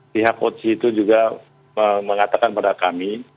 pihak otsi itu juga mengatakan pada kami